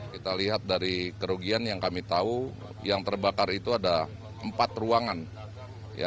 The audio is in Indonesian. kita lihat dari kerugian yang kami tahu yang terbakar itu ada empat ruangan